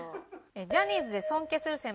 ジャニーズで尊敬する先輩は？